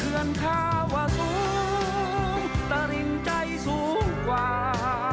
เพื่อนข้าว่าสูงแต่ริงใจสูงกว่า